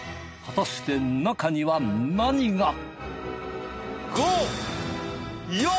果たして中には何が！？